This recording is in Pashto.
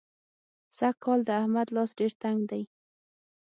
سږکال د احمد لاس ډېر تنګ دی.